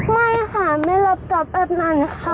ไม่ค่ะไม่รับจอบแบบนั้นค่ะ